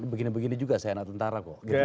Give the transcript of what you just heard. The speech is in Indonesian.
begini begini juga saya anak tentara kok